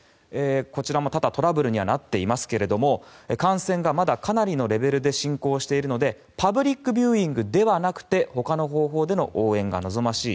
こちらも多々トラブルにはなっていますが感染がまだかなりのレベルで進行しているのでパブリックビューイングではなくて、ほかの方法での応援が望ましい。